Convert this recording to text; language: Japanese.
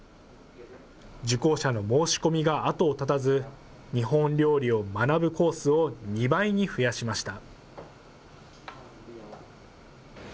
受講者の申し込みが後を絶たず、日本料理を学ぶコースを２倍に増やしました。